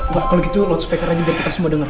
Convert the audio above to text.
wah kalau gitu notspeaker aja biar kita semua denger